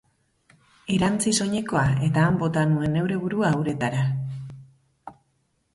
Erantzi soinekoa eta han bota nuen neure burua uretara.